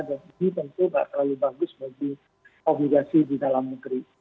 jadi tentu nggak terlalu bagus bagi obligasi di dalam negeri